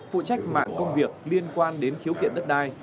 phụ trách mạng công việc liên quan đến khiếu kiện đất đai